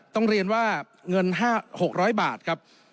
ต้องเรียนว่าเงิน๕๖๐๐บาทครับ